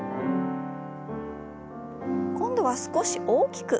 今度は少し大きく。